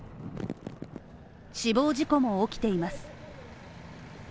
死亡事故も起きています。